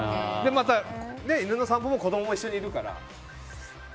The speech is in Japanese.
また、犬の散歩も子供が一緒にいるから。